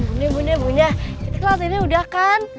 bunda bunda bunda kita kelatinnya sudah kan